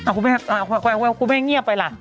คุณแม่คุณแม่เงียบไปล่ะ